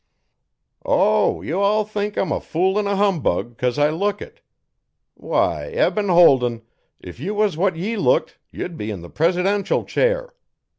'O, you all think I'm a fool an' a humbug, 'cos I look it. Why, Eben Holden, if you was what ye looked, ye'd be in the presidential chair.